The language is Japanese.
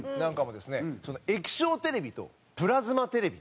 液晶テレビとプラズマテレビ。